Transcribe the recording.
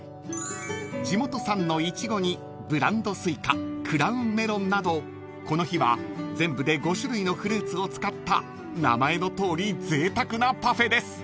［地元産のイチゴにブランドスイカクラウンメロンなどこの日は全部で５種類のフルーツを使った名前のとおりぜいたくなパフェです］